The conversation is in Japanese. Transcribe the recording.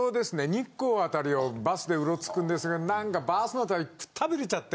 日光あたりをバスでうろつくんですがなんかバスの旅くたびれちゃって。